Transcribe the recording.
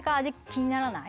気になる！